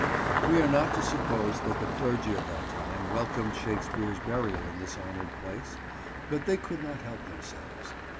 We are not to suppose that the clergy of that time welcomed Shakespeare's burial in this honoured place, but they could not help themselves.